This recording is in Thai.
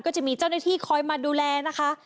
จะมีเจ้าหน้าที่คอยมาดูแลนะคะ